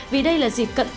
vì đây là dịp cận tết